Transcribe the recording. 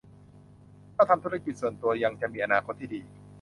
ถ้าทำธุรกิจส่วนตัวยังจะมีอนาคตที่ดี